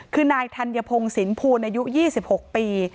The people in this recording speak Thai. คือนายธัญพงศ์ศิลปูนอายุยี่สิบหกปี